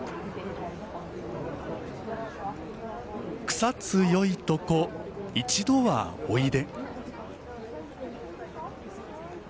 「草津よいとこ一度はおいで」。